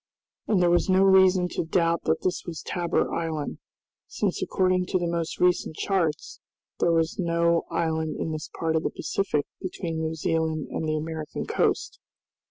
And there was no reason to doubt that this was Tabor Island, since according to the most recent charts there was no island in this part of the Pacific between New Zealand and the American Coast.